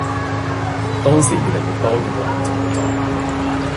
當時越嚟越多粵文創作